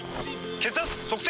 血圧測定！